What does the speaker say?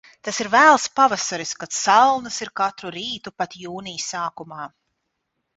Tas ir vēls pavasaris, kad salnas ir katru rītu pat Jūnija sākumā.